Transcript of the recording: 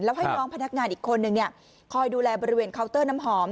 แล้วให้น้องพนักงานอีกคนนึงคอยดูแลบริเวณเคาน์เตอร์น้ำหอม